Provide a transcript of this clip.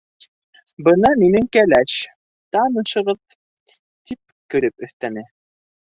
Бына минең кәләш, танышығыҙ, - тип көлөп өҫтәне.